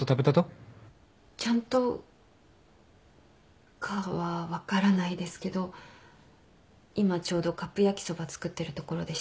ちゃんとかは分からないですけど今ちょうどカップ焼きそば作ってるところでした。